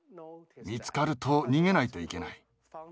見つかると逃げないといけない。